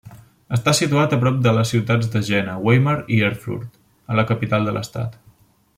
Està situat prop de les ciutats de Jena, Weimar i Erfurt —la capital de l'estat—.